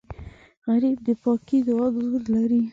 غریب د پاکې دعا زور لري